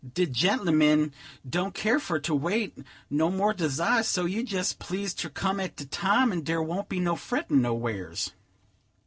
De gen'lemen don't kere fer ter wait, no more does I; so you jes' please ter come at de time, and dere won't be no frettin' nowheres."